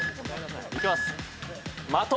いきます。